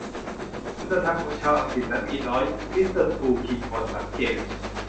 คุณธรรมของชาวอังกฤษนั้นมีน้อย มิสเตอร์ทุลคิงฮอร์นสังเกต